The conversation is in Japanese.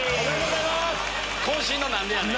渾身の「何でやねん」。